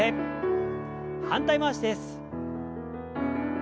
反対回しです。